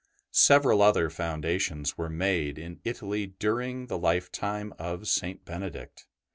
Several other foundations were made m Italy during the lifetime of St. Benedict.